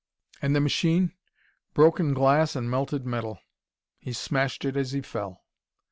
"And the machine?" "Broken glass and melted metal. He smashed it as he fell."